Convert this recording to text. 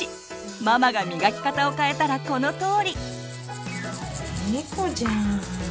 ママがみがき方を変えたらこのとおり。